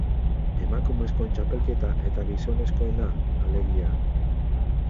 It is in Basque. Emakumezkoen txapelketa eta gizonezkoena, alegia.